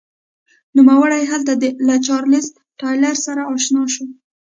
نوموړی هلته له چارلېز ټایلر سره اشنا شو.